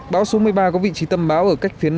báo số một mươi ba có vị trí tâm báo ở cách phía nam